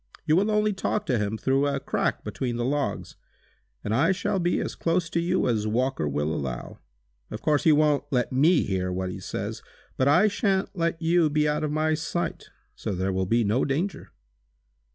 You will only talk to him through a crack between the logs, and I shall be as close to you as Walker will allow. Of course he wont let me hear what he says, but I shan't let you be out of my sight, so there will be no danger!"